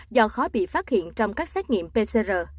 do khó bị phát hiện trong các xét nghiệm pcr